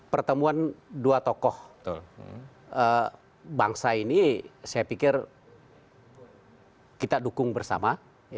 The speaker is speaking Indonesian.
pertemuan dua tokoh bangsa ini saya pikir kita dukung bersama